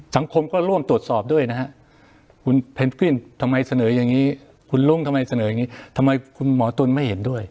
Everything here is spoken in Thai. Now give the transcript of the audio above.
สังคมก็ร่วมตรวจสอบด้วยนะฮะคุณเพนกวินทำไมเสนออย่างนี้คุณลุงทำไมเสนออย่างนี้ทำไมคุณหมอตุ๋นไม่เห็นด้วย